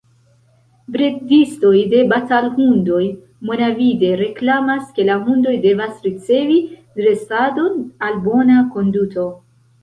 Bredistoj de batalhundoj monavide reklamas, ke la hundoj devas ricevi dresadon al bona konduto.